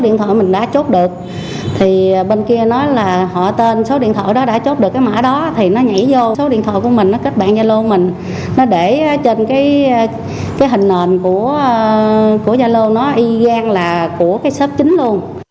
nó để trên cái hình nền của gia lô nó y gian là của cái shop chính luôn